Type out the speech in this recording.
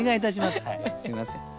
すみません。